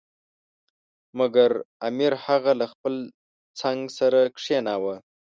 مګر امیر هغه له خپل څنګ سره کښېناوه.